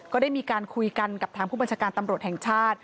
ก็ได้มีการคุยกันกับทางผู้บัญชาการตำรวจแห่งชาติ